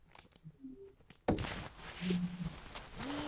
它们可能是种拥有原蜥脚类牙齿的蜥脚类恐龙。